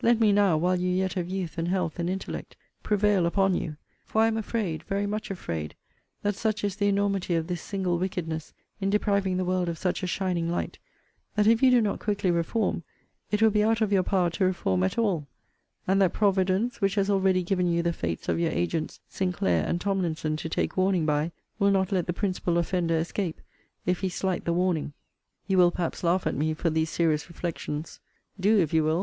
Let me now, while you yet have youth, and health, and intellect, prevail upon you: for I am afraid, very much afraid, that such is the enormity of this single wickedness, in depriving the world of such a shining light, that if you do not quickly reform, it will be out of your power to reform at all; and that Providence, which has already given you the fates of your agents Sinclair and Tomlinson to take warning by, will not let the principal offender escape, if he slight the warning. You will, perhaps, laugh at me for these serious reflections. Do, if you will.